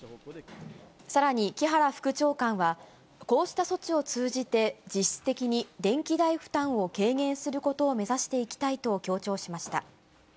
さらに、木原副長官は、こうした措置を通じて、実質的に電気代負担を軽減することを目指していきたいと強調しました。